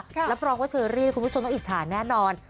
แล้วบล็อกว่าเชอรี่คุณผู้ชมต้องอิชาแน่นอน